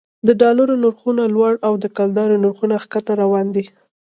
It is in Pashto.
د ډالرو نرخونه لوړ او د کلدارو نرخونه ښکته روان دي